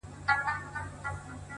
o بيا نو منم چي په اختـر كي جــادو؛